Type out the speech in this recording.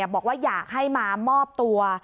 บอกว่าอยากให้มามอบตัว